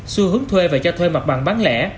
xu hướng thuê và cho thuê mặt bằng bán lẻ